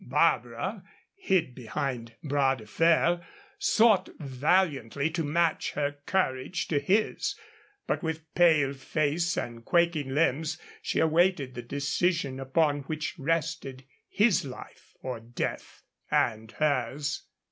Barbara, hid behind Bras de Fer, sought valiantly to match her courage to his, but with pale face and quaking limbs she awaited the decision upon which rested his life or death, and hers.